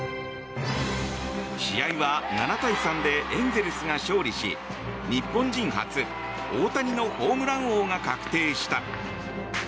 試合は７対３でエンゼルスが勝利し日本人初、大谷のホームラン王が確定した。